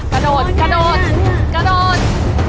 กระโดดกระโดด